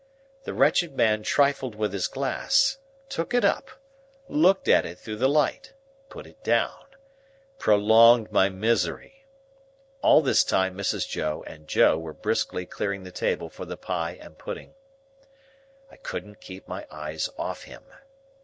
The wretched man trifled with his glass,—took it up, looked at it through the light, put it down,—prolonged my misery. All this time Mrs. Joe and Joe were briskly clearing the table for the pie and pudding. I couldn't keep my eyes off him.